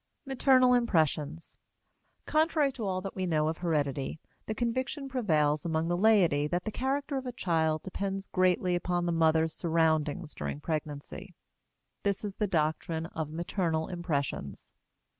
MATERNAL IMPRESSIONS. Contrary to all that we know of heredity, the conviction prevails among the laity that the character of a child depends greatly upon the mother's surroundings during pregnancy: this is the doctrine of maternal impressions.